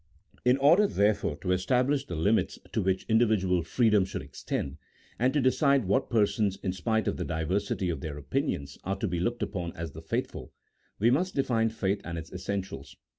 In order, therefore, to establish the limits to which indi vidual freedom should extend, and to decide what persons, in spite of the diversity of their opinions, are to be looked upon as the faithful, we must define faith and its essentials.